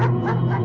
aku mau lepas